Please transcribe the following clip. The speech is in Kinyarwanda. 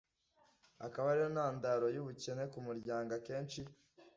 akaba ariyo ntandaro y'ubukene k'umuryango akenshi